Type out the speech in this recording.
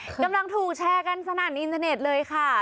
กำลังถูกแชร์กันสนั่นอินเทอร์เน็ตเลยค่ะ